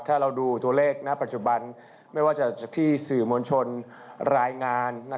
ถ้าเราดูตัวเลขณปัจจุบันไม่ว่าจะที่สื่อมวลชนรายงาน